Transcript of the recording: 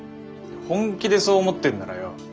本気でそう思ってんならよ